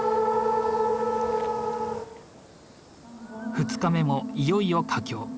２日目もいよいよ佳境。